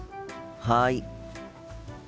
はい。